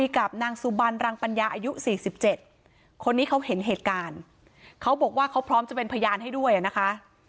คนนี้เขาเห็นเหตุการณ์เขาบอกว่าเขาพร้อมเป็นพยานให้ด้วยนะคะ